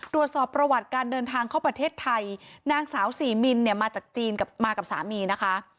ตรวจสอบประวัติการเดินทางเข้าประเทศไทยนางสาวสี่มินเนี่ยมาจากจีนกับมากับสามีนะคะ